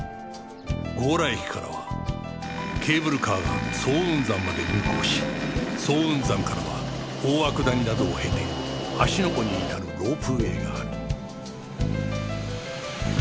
強羅駅からはケーブルカーが早雲山まで運行し早雲山からは大涌谷などを経て芦ノ湖に至るロープウェイがある